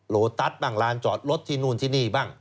โลตัสบ้างลานจอดรถที่นู่นที่นี่บ้าง